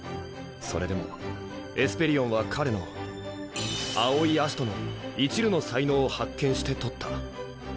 それでもエスペリオンは彼の青井葦人のいちるの才能を発見して獲った。